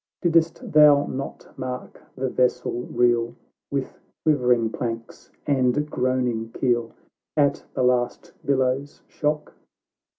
Didst thou not mark the vessel reel, "With quivering planks, and groaaiug keel, At the last billow's shock